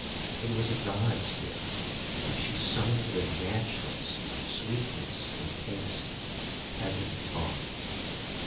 It was a God's gift, and she sung with matchless sweetness and taste, heaven taught.